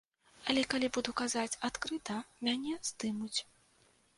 Але калі буду казаць адкрыта, мяне здымуць.